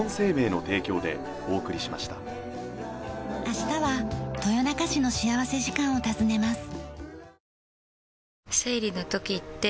明日は豊中市の幸福時間を訪ねます。